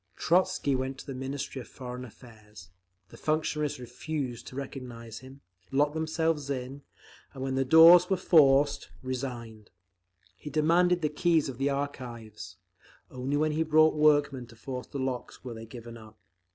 Trotzky went to the Ministry of Foreign Affairs; the functionaries refused to recognise him, locked themselves in, and when the doors were forced, resigned. He demanded the keys of the archives; only when he brought workmen to force the locks were they given up.